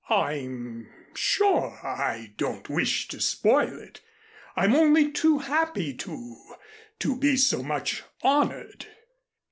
"I'm sure I don't wish to spoil it. I'm only too happy to to be so much honored."